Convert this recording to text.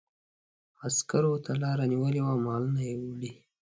عسکرو ته لاره نیولې وه او مالونه یې وړي.